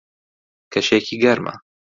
کەشێکی گەرمە.